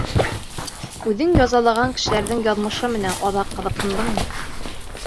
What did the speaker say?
Үҙең язалаған кешеләрҙең яҙмышы менән аҙаҡ ҡыҙыҡһындыңмы?